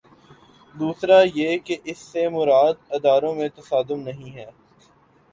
دوسرا یہ کہ اس سے مراد اداروں میں تصادم نہیں ہے۔